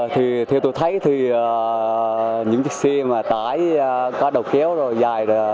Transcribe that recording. thì theo tôi thấy thì những chiếc xe mà tải có đầu kéo rồi dài rồi